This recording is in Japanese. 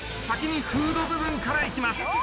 先にフード部分からいきます。